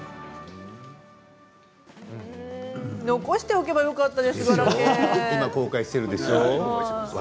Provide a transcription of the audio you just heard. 残しておけばよかったです